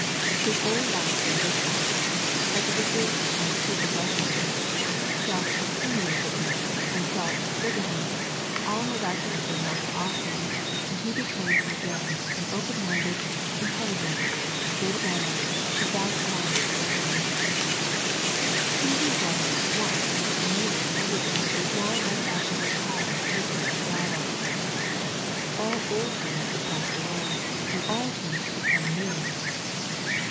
His old likes and dislikes, prejudices and prepossessions, self opinionativeness and self assertiveness all miraculously melted off him, and he became in a day an open minded, intelligent, good mannered, devout minded gentleman. He who was once such a mule to everybody was now led about by a child in a silken bridle. All old things had passed away, and all things had become new.